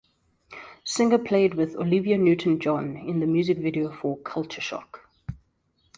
Singer played with Olivia Newton-John in the music video for "Culture Shock".